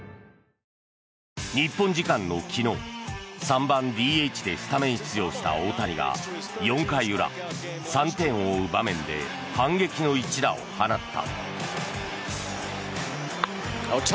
日本時間の昨日３番ＤＨでスタメン出場した大谷が４回裏、３点を追う場面で反撃の一打を放った。